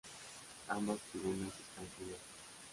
Ambas tribunas están cubiertas.